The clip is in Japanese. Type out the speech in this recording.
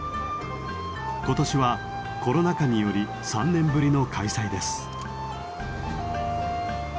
今年はコロナ禍により３年ぶりの開催です。